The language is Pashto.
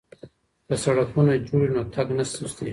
که سړکونه جوړ وي نو تګ نه ستیږي.